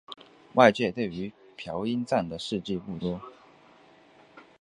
外界对于朴英赞的事迹不多。